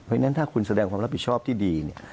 เพราะฉะนั้นถ้าคุณแสดงความรับผิดชอบที่ดีเนี่ย